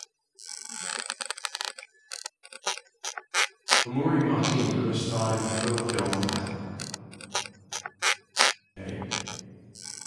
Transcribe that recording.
Amurri Martino starred in the thriller film "Isolation", directed by Stephen T. Kay.